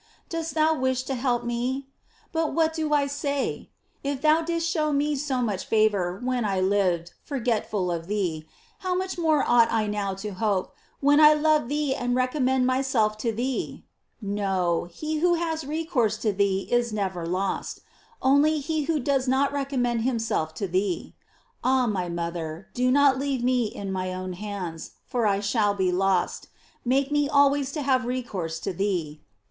Dost thou wish to help me ? But what do I say ? If thou didst show me so much favor when I lived forgetful of thee, how much more ought I now to hope, when I love thee and re commend myself to thee ! No, he who has recourse to thee is never lost ; only he who does not recommend himself to thee. Ah, my mother, do not leave me in my own hands, for I shall be lost ; make me always to have recourse to thee.